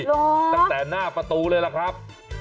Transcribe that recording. ตั้งแต่หน้าประตูเลยล่ะครับ